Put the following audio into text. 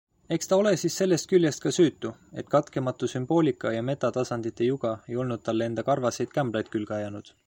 Eks ta ole siis sellest küljest ka süütu, et katkematu sümboolika ja metatasandite juga ei olnud talle enda karvaseid kämblaid külge ajanud.